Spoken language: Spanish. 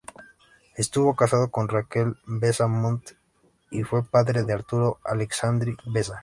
Estuvo casado con Raquel Besa Montt y fue padre de Arturo Alessandri Besa.